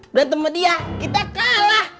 berantem sama dia kita kalah